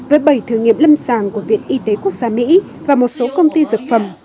với bảy thử nghiệm lâm sàng của viện y tế quốc gia mỹ và một số công ty dược phẩm